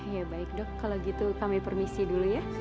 ya baik dok kalau gitu kami permisi dulu ya